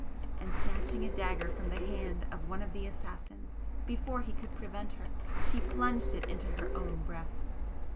And snatching a dagger from the hand of one of the assassins before he could prevent her, she plunged it into her own breast.